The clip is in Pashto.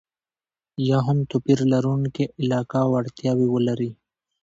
یا هم توپير لرونکې علاقه او اړتياوې ولري.